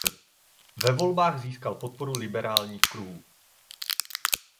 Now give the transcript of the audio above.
Ve volbách získal podporu liberálních kruhů.